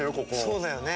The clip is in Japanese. そうだよね。